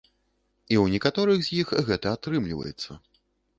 І ў некаторых з іх гэта атрымліваецца.